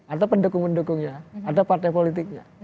ada pendukung pendukungnya ada partai politiknya